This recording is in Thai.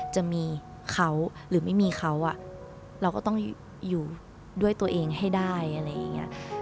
จะมีเขาหรือไม่มีเขาเราก็ต้องอยู่ด้วยตัวเองให้ได้อะไรอย่างนี้